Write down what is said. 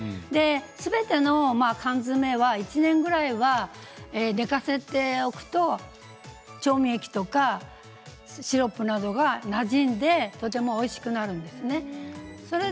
すべての缶詰は１年ぐらいは寝かせておくと調味液とかシロップなどがなじんでとてもおいしくなるんですね。